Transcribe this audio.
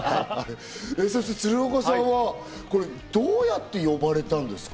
そして鶴岡さんはどうやって呼ばれたんですか？